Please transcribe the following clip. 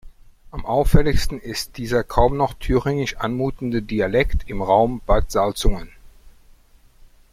Am auffälligsten ist dieser kaum noch thüringisch anmutende Dialekt im Raum Bad Salzungen.